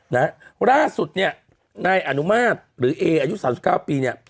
นะฮะล่าสุดเนี่ยนายอนุมาตรหรือเออายุสามสิบเก้าปีเนี่ย